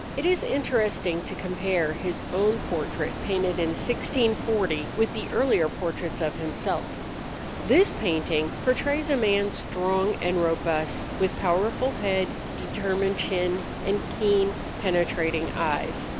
It is interesting to compare his own portrait painted in 1640 with the earlier portraits of himself. This painting portrays a man strong and robust, with powerful head, determined chin, and keen, penetrating eyes.